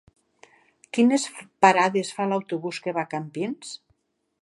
Quines parades fa l'autobús que va a Campins?